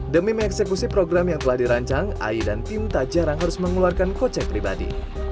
demi mengeksekusi program yang telah dirancang ayu dan tim tak jarang harus mengeluarkan kocek pribadi